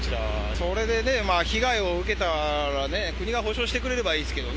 それで被害を受けたら国が補償してくれればいいですけど。